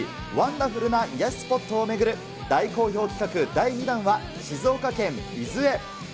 ダフルな癒やしスポットを巡る大好評企画第２弾は、静岡県伊豆へ。